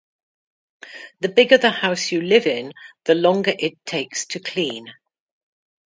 The bigger the house you live in, the longer it takes to clean.